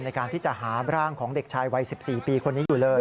ในการที่จะหาร่างของเด็กชายวัย๑๔ปีคนนี้อยู่เลย